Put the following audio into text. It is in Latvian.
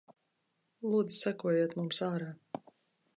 Lūdzu sekojiet mums ārā.